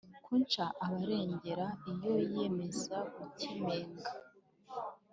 kouchner aba arengera iyo yiyemeza gukemenga